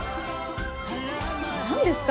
何ですか？